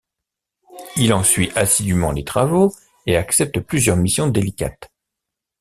Il en suit assidûment les travaux et accepte plusieurs missions délicates.